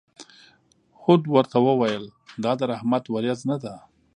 هود ورته وویل: دا د رحمت ورېځ نه ده.